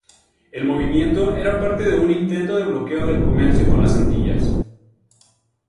El movimiento era parte de un intento de bloqueo del comercio con las Antillas.